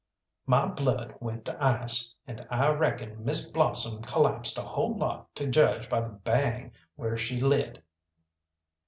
My blood went to ice, and I reckon Miss Blossom collapsed a whole lot to judge by the bang where she lit.